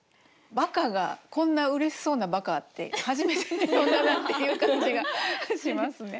「ばか」がこんなうれしそうな「ばか」って初めて読んだなっていう感じがしますね。